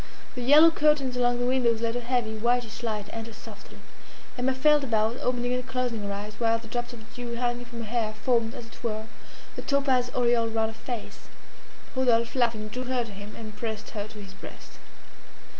The yellow curtains along the windows let a heavy, whitish light enter softly. Emma felt about, opening and closing her eyes, while the drops of dew hanging from her hair formed, as it were, a topaz aureole around her face. Rodolphe, laughing, drew her to him, and pressed her to his breast.